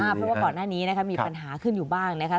เพราะว่าก่อนหน้านี้นะคะมีปัญหาขึ้นอยู่บ้างนะคะ